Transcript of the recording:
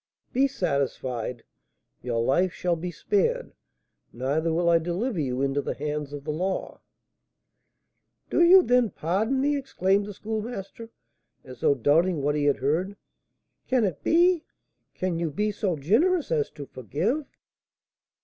"Be satisfied, your life shall be spared; neither will I deliver you into the hands of the law." "Do you, then, pardon me?" exclaimed the Schoolmaster, as though doubting what he heard. "Can it be? Can you be so generous as to forgive?"